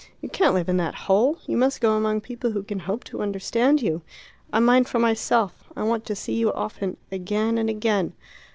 You can't live in that hole; you must go among people who can hope to understand you. I mind for myself. I want to see you often again and again."